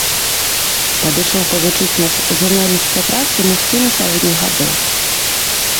Падышоў павучыць нас журналісцкай працы мужчына сярэдніх гадоў.